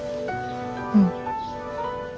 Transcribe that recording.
うん。